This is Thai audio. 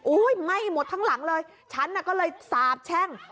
ไหม้หมดทั้งหลังเลยฉันน่ะก็เลยสาบแช่ง